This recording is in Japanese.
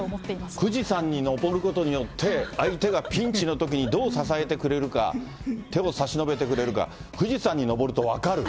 富士山に登ることによって、相手がピンチのときにどう支えてくれるか、手を差し伸べてくれるか、富士山に登ると分かる。